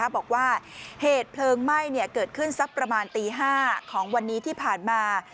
บอกว่าเหตุเพลิงไหม้เกิดขึ้นสักประมาณตี๕ของวันนี้ที่ผ่านมา